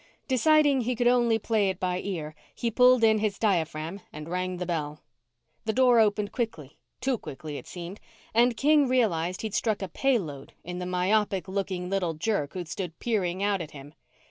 Deciding he could only play it by ear, he pulled in his diaphragm and rang the bell. The door opened quickly too quickly, it seemed and King realized he'd struck a pay lode in the myopic looking little jerk who stood peering out at him.